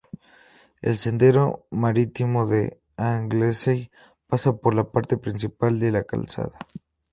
El Sendero Marítimo de Anglesey pasa por la parte principal de la calzada.